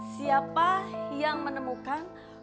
siapa yang menemukan